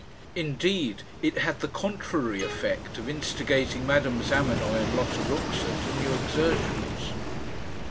Indeed, it had the contrary effect of instigating Madame Zamenoy and Lotta Luxa to new exertions.